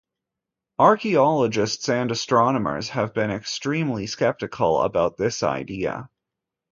Archaeologists and astronomers have been extremely sceptical about this idea.